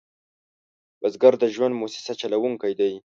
بزګر د ژوند موسسه چلوونکی دی